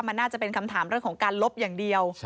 มันน่าจะเป็นคำถามเรื่องของการลบอย่างเดียว